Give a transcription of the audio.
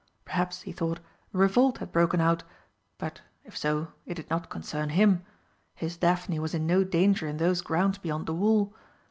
Perhaps, he thought, a revolt had broken out, but, if so, it did not concern him. His Daphne was in no danger in those grounds beyond the wall.